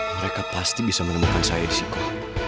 mereka pasti bisa menemukan saya di situ